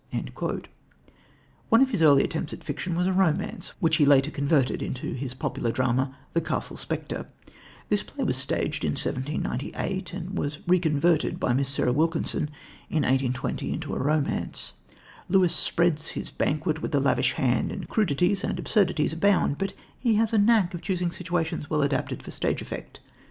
" One of his early attempts at fiction was a romance which he later converted into his popular drama, The Castle Spectre. This play was staged in 1798, and was reconverted by Miss Sarah Wilkinson in 1820 into a romance. Lewis spreads his banquet with a lavish hand, and crudities and absurdities abound, but he has a knack of choosing situations well adapted for stage effect.